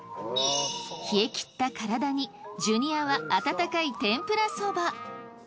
冷え切った体にジュニアは温かい天ぷらそば。